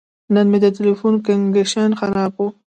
نن مې د تلیفون کنکشن خراب و.